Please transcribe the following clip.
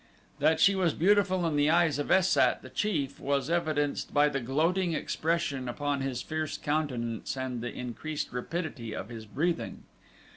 That she was beautiful in the eyes of Es sat, the chief, was evidenced by the gloating expression upon his fierce countenance and the increased rapidity of his breathing.